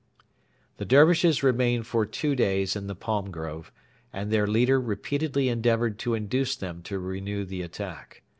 The Dervishes remained for two days in the palm grove, and their leader repeatedly endeavoured to induce them to renew the attack.